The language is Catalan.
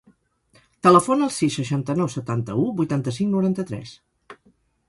Telefona al sis, seixanta-nou, setanta-u, vuitanta-cinc, noranta-tres.